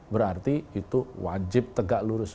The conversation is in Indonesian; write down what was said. berarti itu wajib tegak lurus